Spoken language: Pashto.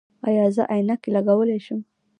ایا زه عینکې لګولی شم؟